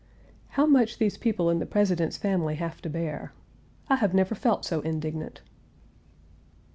How much these people in the President's family have to bear! I have never felt so indignant.